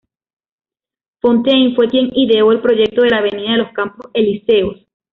Fontaine fue quien ideó el proyecto de la Avenida de los Campos Elíseos.